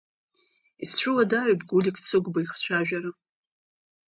Исцәуадаҩуп Гулик Цыгәба ихцәажәара.